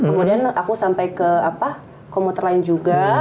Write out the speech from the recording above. kemudian aku sampai ke komuter lain juga